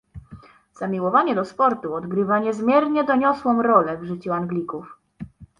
"Zamiłowanie do sportu odgrywa niezmiernie doniosłą rolę w życiu Anglików."